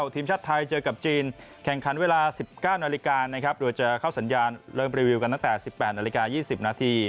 ทีมชาติไทยเจอกับจีนแข่งขันเวลา๑๙นโดยจะเข้าสัญญาณเริ่มรีวิวกันตั้งแต่๑๘น๒๐น